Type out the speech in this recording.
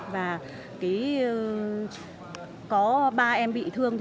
và có ba em bị thương